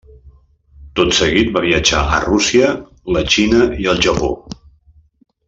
Tot seguit va viatjar a Rússia, la Xina i el Japó.